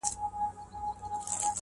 هر څه بندوي